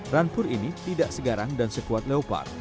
rampur ini tidak segarang dan sekuat leopard